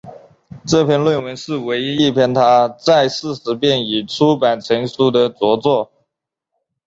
这篇论文是唯一一篇他在世时便已出版成书的着作。